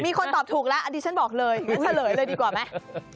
มีคนตอบถูกแล้วอันนี้ฉันบอกเลยงั้นเฉลยเลยดีกว่าไหม